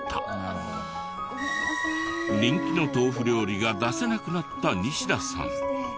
人気の豆腐料理が出せなくなった西田さん。